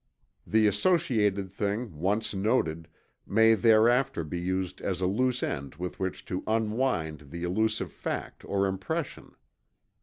The associated thing once noted, may thereafter be used as a loose end with which to unwind the elusive fact or impression.